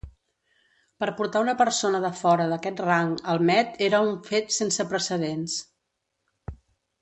Per portar una persona de fora d'aquest rang al Met era un fet sense precedents.